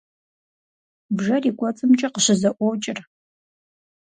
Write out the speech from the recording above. Бжэр и кӏуэцӏымкӏэ къыщызэӏуокӏыр.